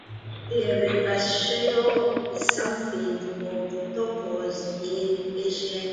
The recusatio is something of a "topos" in ancient literature.